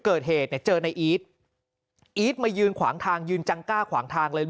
เกิดเหตุเนี่ยเจอในอีทอีทมายืนขวางทางยืนจังกล้าขวางทางเลย